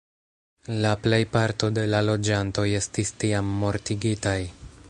La plejparto de la loĝantoj estis tiam mortigitaj.